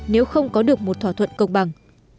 nếu không có được một thỏa thuận công bằng